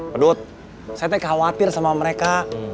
padut saya tak khawatir sama mereka